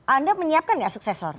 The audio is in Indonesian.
anda menyiapkan gak suksesor